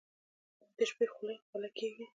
ایا د شپې خوله کیږئ؟